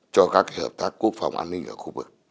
cho các hợp tác quốc phòng an ninh ở khu vực